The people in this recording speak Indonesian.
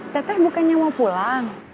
teh teh bukannya mau pulang